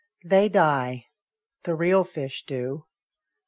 " They die the real fish do."